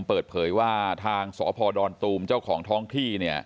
เปิดเผยว่าทางสพดอนตูมเจ้าของท้องที่เนี่ย